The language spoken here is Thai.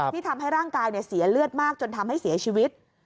ที่ทำให้ร่างกายเสียเลือดมากจนทำให้เสียชีวิต